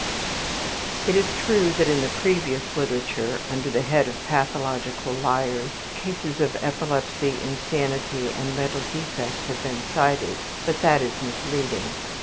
It is true that in the previous literature, under the head of pathological liars, cases of epilepsy, insanity, and mental defect have been cited, but that is misleading.